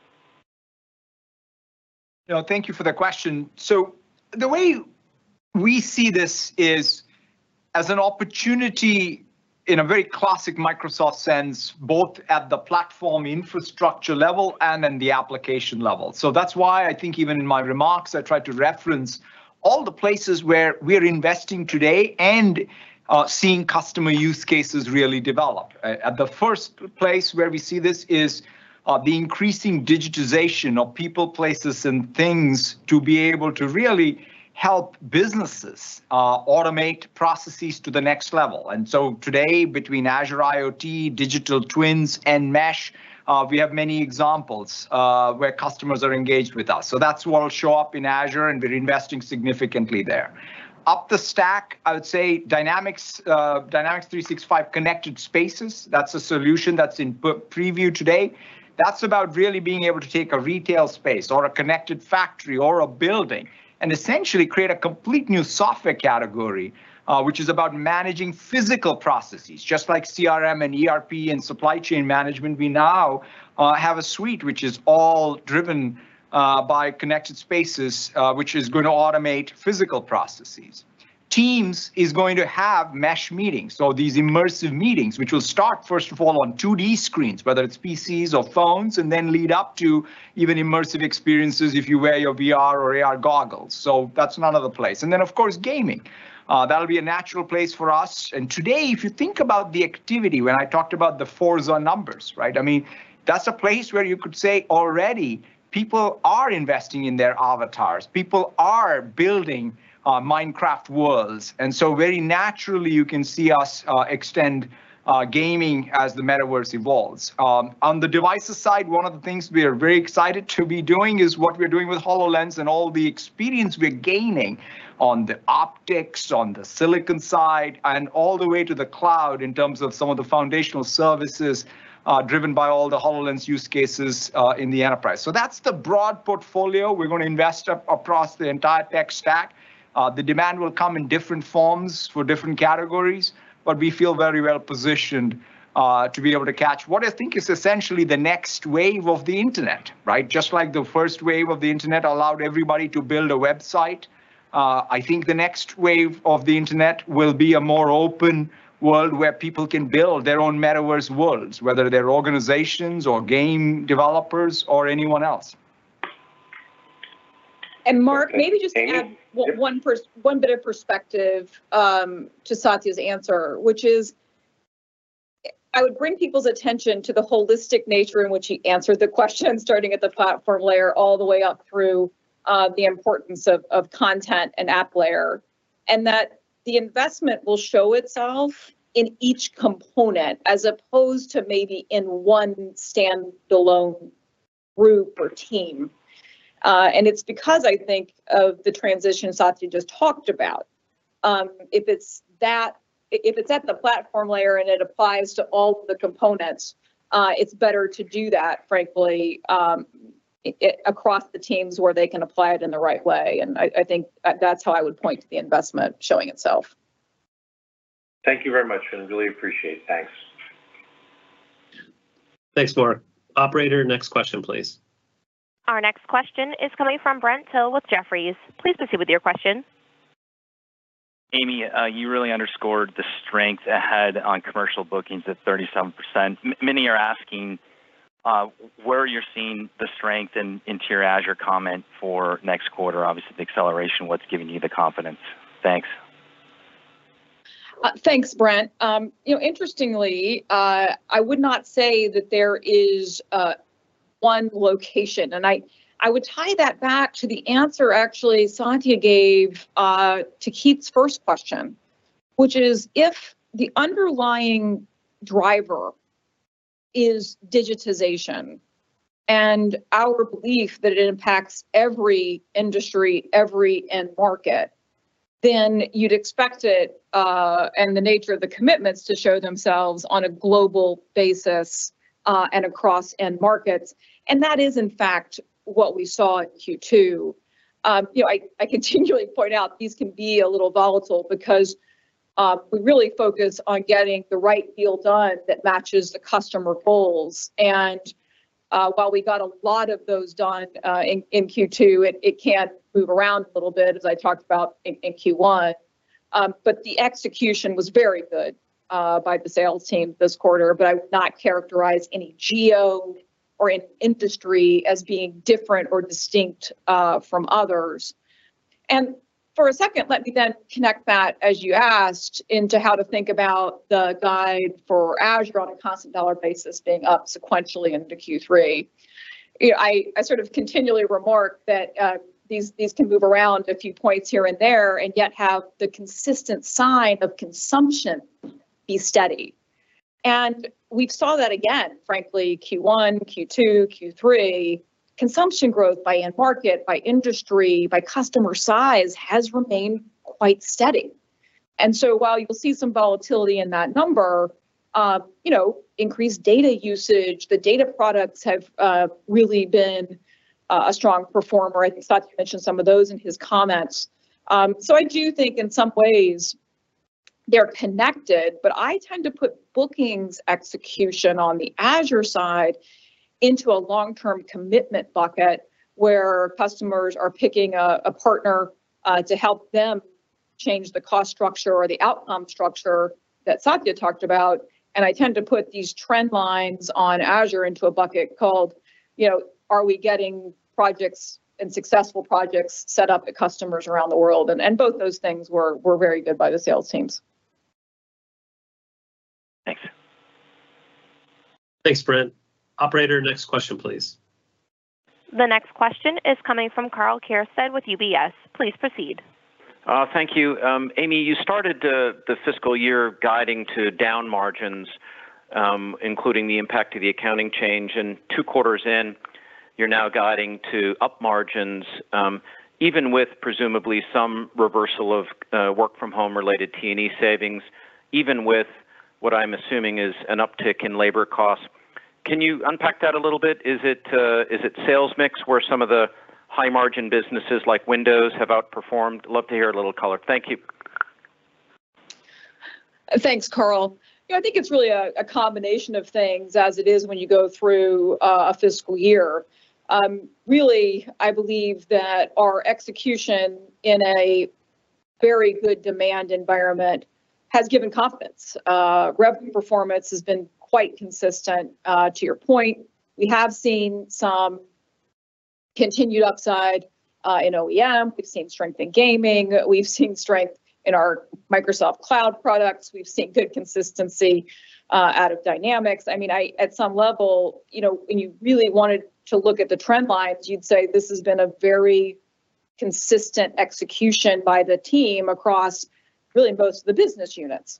No, thank you for the question. The way we see this is as an opportunity in a very classic Microsoft sense, both at the platform infrastructure level and in the application level. That's why I think even in my remarks, I tried to reference all the places where we're investing today and seeing customer use cases really develop. At the first place where we see this is the increasing digitization of people, places, and things to be able to really help businesses automate processes to the next level. Today between Azure IoT, digital twins, and Mesh, we have many examples where customers are engaged with us. That's what'll show up in Azure, and we're investing significantly there. Up the stack, I would say Dynamics 365 Connected Spaces, that's a solution that's in preview today. That's about really being able to take a retail space or a connected factory or a building and essentially create a complete new software category, which is about managing physical processes. Just like CRM and ERP and supply chain management, we now have a suite which is all driven by Connected Spaces, which is gonna automate physical processes. Teams is going to have Mesh meetings. These immersive meetings, which will start first of all on 2D screens, whether it's PCs or phones, and then lead up to even immersive experiences if you wear your VR or AR goggles. That's another place. Then of course, gaming. That'll be a natural place for us. Today, if you think about the activity when I talked about the Forza numbers, right? I mean, that's a place where you could say already people are investing in their avatars. People are building Minecraft worlds. Very naturally you can see us extend gaming as the metaverse evolves. On the devices side, one of the things we are very excited to be doing is what we're doing with HoloLens and all the experience we're gaining on the optics, on the silicon side, and all the way to the cloud in terms of some of the foundational services driven by all the HoloLens use cases in the enterprise. That's the broad portfolio. We're gonna invest across the entire tech stack. The demand will come in different forms for different categories, but we feel very well positioned to be able to catch what I think is essentially the next wave of the internet, right? Just like the first wave of the internet allowed everybody to build a website, I think the next wave of the internet will be a more open world where people can build their own metaverse worlds, whether they're organizations or game developers or anyone else. Okay. Mark, maybe just to add one bit of perspective to Satya's answer, which is I would bring people's attention to the holistic nature in which he answered the question, starting at the platform layer all the way up through the importance of content and app layer. That the investment will show itself in each component as opposed to maybe in one standalone group or team. It's because I think of the transition Satya just talked about. If it's at the platform layer and it applies to all the components, it's better to do that, frankly, across the teams where they can apply it in the right way. I think that's how I would point to the investment showing itself. Thank you very much. Really appreciate it. Thanks. Thanks, Mark. Operator, next question please. Our next question is coming from Brent Thill with Jefferies. Please proceed with your question. Amy, you really underscored the strength ahead on commercial bookings at 37%. Many are asking where you're seeing the strength into your Azure comment for next quarter. Obviously the acceleration, what's giving you the confidence? Thanks. Thanks, Brent. You know, interestingly, I would not say that there is one location. I would tie that back to the answer actually Satya gave to Keith's first question, which is if the underlying driver is digitization and our belief that it impacts every industry, every end market, then you'd expect it, and the nature of the commitments to show themselves on a global basis, and across end markets. That is in fact what we saw in Q2. You know, I continually point out these can be a little volatile because we really focus on getting the right deal done that matches the customer goals. While we got a lot of those done in Q2, it can move around a little bit, as I talked about in Q1. The execution was very good by the sales team this quarter. I would not characterize any geo or any industry as being different or distinct from others. For a second, let me then connect that, as you asked, into how to think about the guide for Azure on a constant dollar basis being up sequentially into Q3. You know, I sort of continually remark that these can move around a few points here and there and yet have the consistent sign of consumption be steady. We saw that again, frankly, Q1, Q2, Q3. Consumption growth by end market, by industry, by customer size has remained quite steady. While you'll see some volatility in that number, you know, increased data usage, the data products have really been a strong performer. I think Satya mentioned some of those in his comments. I do think in some ways they're connected, but I tend to put bookings execution on the Azure side into a long-term commitment bucket where customers are picking a partner to help them change the cost structure or the outcome structure that Satya talked about. I tend to put these trend lines on Azure into a bucket called, you know, are we getting projects and successful projects set up at customers around the world? Both those things were very good by the sales teams. Thank you. Thanks, Brent. Operator, next question, please. The next question is coming from Karl Keirstead with UBS. Please proceed. Thank you. Amy, you started the fiscal year guiding to down margins, including the impact of the accounting change, and two quarters in, you're now guiding to up margins, even with presumably some reversal of work from home-related T&E savings, even with what I'm assuming is an uptick in labor costs. Can you unpack that a little bit? Is it sales mix, where some of the high-margin businesses like Windows have outperformed? Love to hear a little color. Thank you. Thanks, Karl. You know, I think it's really a combination of things as it is when you go through a fiscal year. Really, I believe that our execution in a very good demand environment has given confidence. Revenue performance has been quite consistent to your point. We have seen some continued upside in OEM. We've seen strength in gaming. We've seen strength in our Microsoft Cloud products. We've seen good consistency out of Dynamics. I mean, at some level, you know, when you really wanted to look at the trend lines, you'd say this has been a very consistent execution by the team across really most of the business units.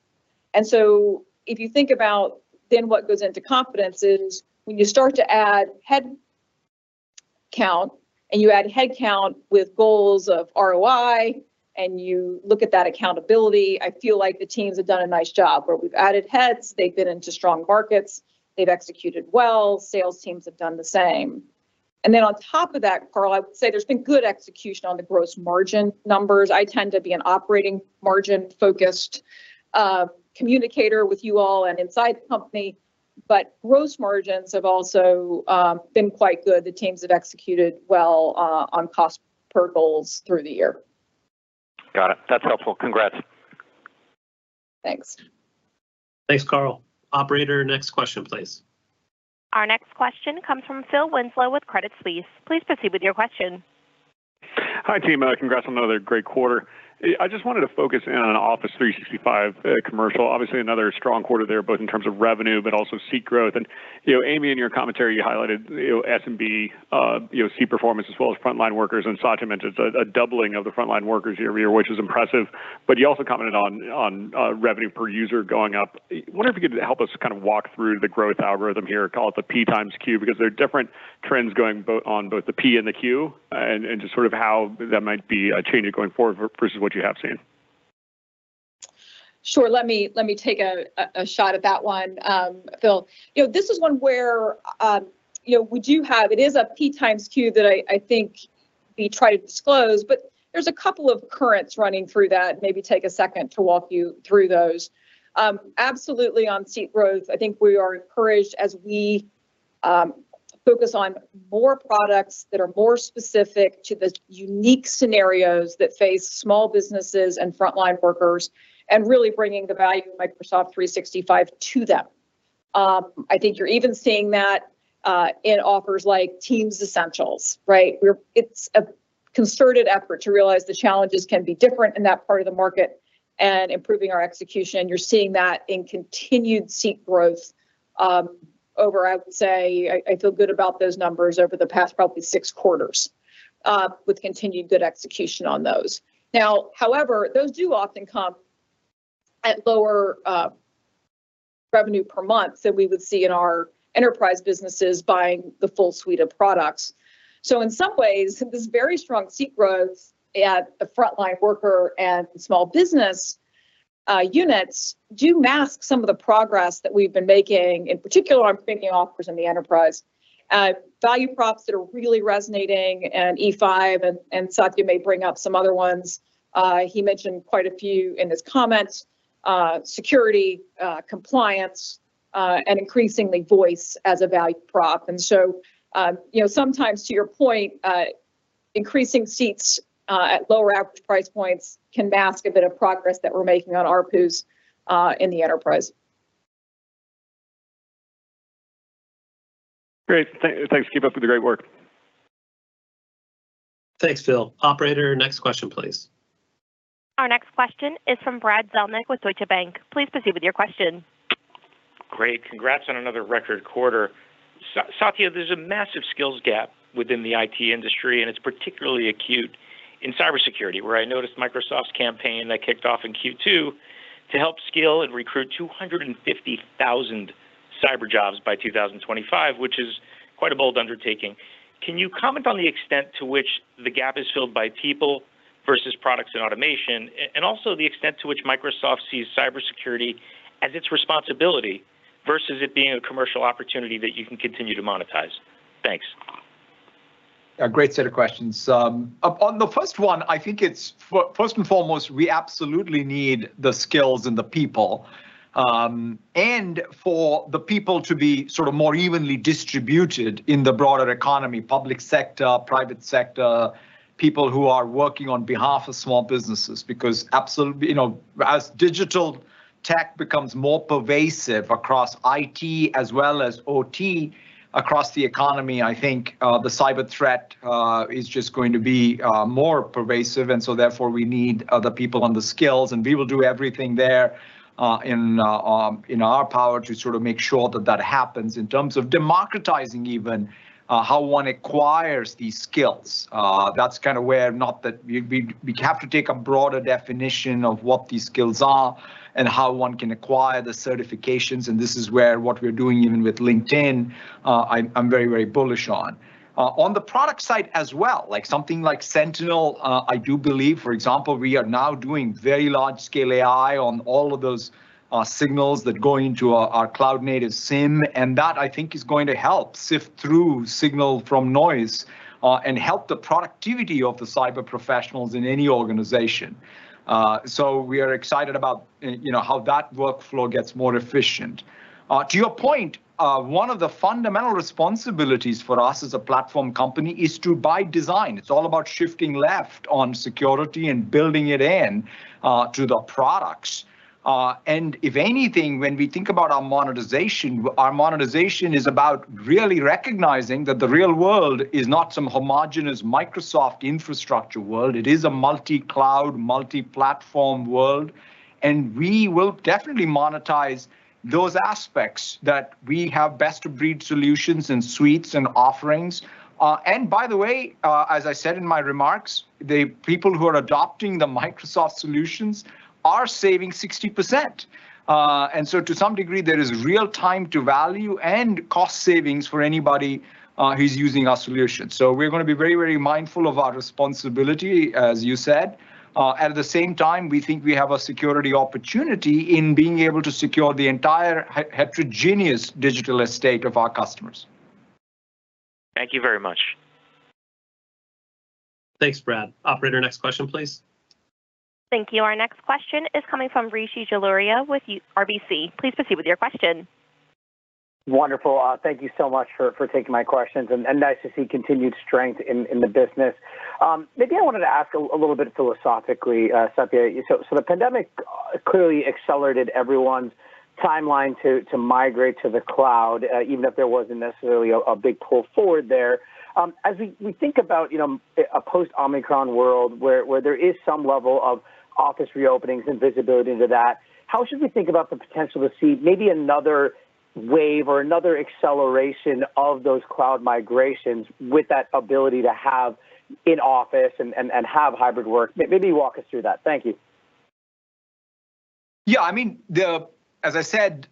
If you think about then what goes into confidence is, when you start to add headcount, and you add headcount with goals of ROI, and you look at that accountability, I feel like the teams have done a nice job where we've added heads, they've been into strong markets, they've executed well, sales teams have done the same. On top of that, Karl, I would say there's been good execution on the gross margin numbers. I tend to be an operating margin-focused communicator with you all and inside the company, but gross margins have also been quite good. The teams have executed well on cost goals through the year. Got it. That's helpful. Congrats. Thanks. Thanks, Karl. Operator, next question, please. Our next question comes from Phil Winslow with Credit Suisse. Please proceed with your question. Hi, team. Congrats on another great quarter. I just wanted to focus in on Office 365 commercial. Obviously, another strong quarter there, both in terms of revenue, but also seat growth. You know, Amy, in your commentary, you highlighted, you know, SMB seat performance, as well as frontline workers, and Satya mentioned a doubling of the frontline workers year-over-year, which is impressive. You also commented on revenue per user going up. Wonder if you could help us kind of walk through the growth algorithm here, call it the P times Q, because there are different trends going on both the P and the Q, and just sort of how that might be changing going forward versus what you have seen. Sure. Let me take a shot at that one, Phil. You know, this is one where, you know, we do have. It is a P times Q that I think we try to disclose, but there's a couple of currents running through that. Maybe take a second to walk you through those. Absolutely on seat growth, I think we are encouraged as we focus on more products that are more specific to the unique scenarios that face small businesses and frontline workers and really bringing the value of Microsoft 365 to them. I think you're even seeing that in offers like Teams Essentials, right? It's a concerted effort to realize the challenges can be different in that part of the market and improving our execution. You're seeing that in continued seat growth. I would say I feel good about those numbers over the past probably six quarters with continued good execution on those. Now, however, those do often come at lower revenue per month than we would see in our enterprise businesses buying the full suite of products. In some ways, this very strong seat growth at the frontline worker and small business units do mask some of the progress that we've been making. In particular, I'm thinking offers in the enterprise. Value props that are really resonating in E5, and Satya may bring up some other ones. He mentioned quite a few in his comments. Security, compliance. Increasingly voice as a value prop. You know, sometimes to your point, increasing seats at lower average price points can mask a bit of progress that we're making on ARPUs in the enterprise. Great. Thanks. Keep up with the great work. Thanks, Phil. Operator, next question, please. Our next question is from Brad Zelnick with Deutsche Bank. Please proceed with your question. Great. Congrats on another record quarter. Satya, there's a massive skills gap within the IT industry, and it's particularly acute in cybersecurity, where I noticed Microsoft's campaign that kicked off in Q2 to help scale and recruit 250,000 cyber jobs by 2025, which is quite a bold undertaking. Can you comment on the extent to which the gap is filled by people versus products and automation, and also the extent to which Microsoft sees cybersecurity as its responsibility versus it being a commercial opportunity that you can continue to monetize? Thanks. A great set of questions. On the first one, I think it's first and foremost, we absolutely need the skills and the people, and for the people to be sort of more evenly distributed in the broader economy, public sector, private sector, people who are working on behalf of small businesses, because absolutely, you know, as digital tech becomes more pervasive across IT as well as OT across the economy, I think the cyber threat is just going to be more pervasive, and so therefore, we need the people and the skills, and we will do everything there in our power to sort of make sure that that happens. In terms of democratizing even how one acquires these skills, that's kind of where we have to take a broader definition of what these skills are and how one can acquire the certifications, and this is where what we're doing even with LinkedIn, I'm very, very bullish on. On the product side as well, like something like Sentinel, I do believe, for example, we are now doing very large-scale AI on all of those signals that go into our cloud-native SIEM, and that I think is going to help sift through signal from noise, and help the productivity of the cyber professionals in any organization. We are excited about you know how that workflow gets more efficient. To your point, one of the fundamental responsibilities for us as a platform company is to by design. It's all about shifting left on security and building it in to the products. If anything, when we think about our monetization, our monetization is about really recognizing that the real world is not some homogeneous Microsoft infrastructure world. It is a multi-cloud, multi-platform world, and we will definitely monetize those aspects that we have best-of-breed solutions and suites and offerings. By the way, as I said in my remarks, the people who are adopting the Microsoft solutions are saving 60%. To some degree, there is real time to value and cost savings for anybody who's using our solution. We're gonna be very, very mindful of our responsibility, as you said. At the same time, we think we have a security opportunity in being able to secure the entire heterogeneous digital estate of our customers. Thank you very much. Thanks, Brad. Operator, next question, please. Thank you. Our next question is coming from Rishi Jaluria with RBC. Please proceed with your question. Wonderful. Thank you so much for taking my questions and nice to see continued strength in the business. Maybe I wanted to ask a little bit philosophically, Satya. The pandemic clearly accelerated everyone's timeline to migrate to the cloud, even if there wasn't necessarily a big pull forward there. As we think about, you know, a post-Omicron world where there is some level of office reopenings and visibility into that, how should we think about the potential to see maybe another wave or another acceleration of those cloud migrations with that ability to have in office and have hybrid work? Maybe walk us through that. Thank you. Yeah. I mean, as I said,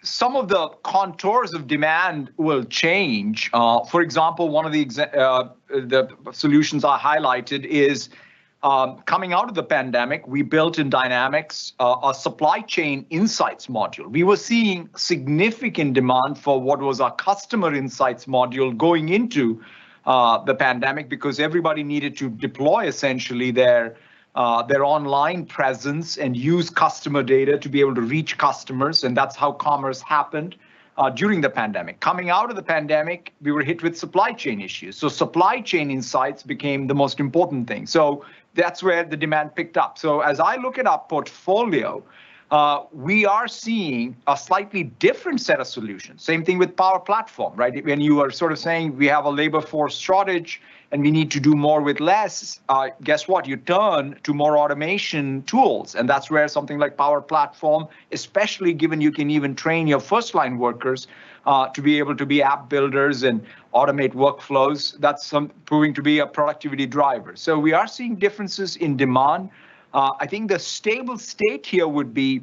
some of the contours of demand will change. For example, one of the solutions I highlighted is coming out of the pandemic, we built in Dynamics a Supply Chain Insights module. We were seeing significant demand for what was our Customer Insights module going into the pandemic because everybody needed to deploy essentially their online presence and use customer data to be able to reach customers, and that's how commerce happened during the pandemic. Coming out of the pandemic, we were hit with supply chain issues. Supply Chain Insights became the most important thing. That's where the demand picked up. As I look at our portfolio, we are seeing a slightly different set of solutions. Same thing with Power Platform, right? When you are sort of saying we have a labor force shortage and we need to do more with less, guess what? You turn to more automation tools, and that's where something like Power Platform, especially given you can even train your first-line workers, to be able to be app builders and automate workflows, that's proving to be a productivity driver. We are seeing differences in demand. I think the stable state here would be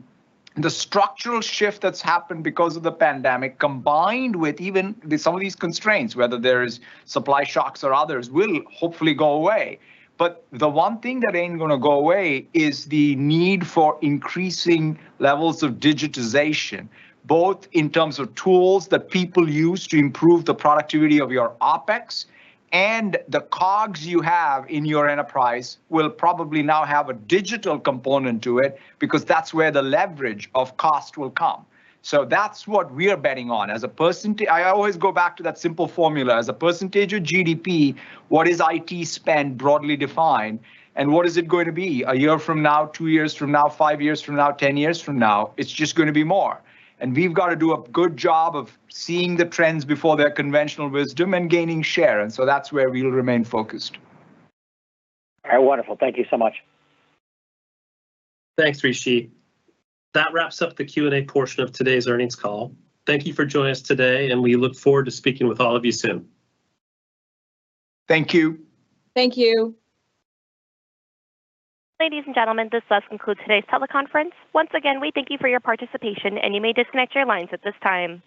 the structural shift that's happened because of the pandemic, combined with even some of these constraints, whether there is supply shocks or others, will hopefully go away. But the one thing that ain't gonna go away is the need for increasing levels of digitization, both in terms of tools that people use to improve the productivity of your OpEx. The COGS you have in your enterprise will probably now have a digital component to it because that's where the leverage of cost will come. That's what we're betting on. As a person, I always go back to that simple formula. As a percentage of GDP, what is IT spend broadly defined, and what is it going to be one year from now, two years from now, five years from now, 10 years from now? It's just gonna be more. We've got to do a good job of seeing the trends before their conventional wisdom and gaining share, and so that's where we'll remain focused. All right. Wonderful. Thank you so much. Thanks, Rishi. That wraps up the Q&A portion of today's earnings call. Thank you for joining us today, and we look forward to speaking with all of you soon. Thank you. Thank you. Ladies and gentlemen, this does conclude today's teleconference. Once again, we thank you for your participation, and you may disconnect your lines at this time.